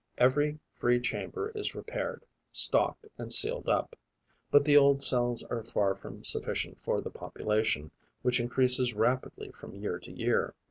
Every free chamber is repaired, stocked and sealed up. But the old cells are far from sufficient for the population, which increases rapidly from year to year.